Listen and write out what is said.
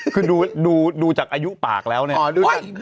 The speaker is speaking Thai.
คือดูจากอายุปากแล้วเนี่ย